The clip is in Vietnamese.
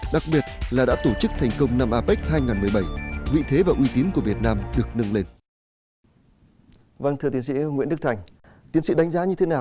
đặc biệt là đã tổ chức thành công